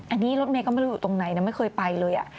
อันนี้รถเมย์ก็ไม่รู้อยู่ตรงไหนนะไม่เคยไปเลย